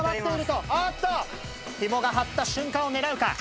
ヒモが張った瞬間を狙うか？